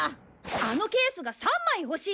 あのケースが３枚欲しい。